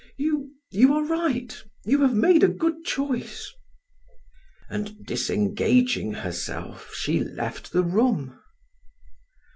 You you are right; you have made a good choice." And disengaging herself she left the room.